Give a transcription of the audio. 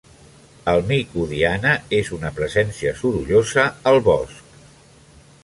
El mico Diana és una presència sorollosa al bosc.